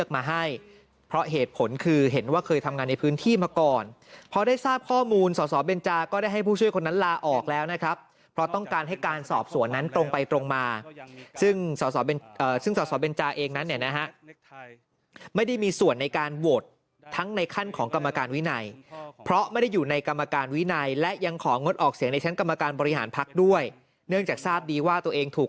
บก่อนพอได้ทราบข้อมูลสสแจ้ก็ได้ให้ผู้ช่วยคนนั้นลาออกแล้วนะครับเพราะต้องการให้การสอบส่วนนั้นตรงไปตรงมาซึ่งสสแจ้เองนะฮะไม่ได้มีส่วนในการโหวตทั้งในขั้นของกรรมการวินัยเพราะไม่ได้อยู่ในกรรมการวินัยและยังของงดออกเสียงในชั้นกรรมการบริหารพักด้วยเนื่องจากทราบดีว่าตัวเองถูกก